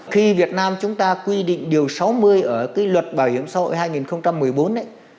khi việt nam chúng ta quy định điều sáu mươi ở cái luật bảo hiểm xã hội hai nghìn một mươi bốn ấy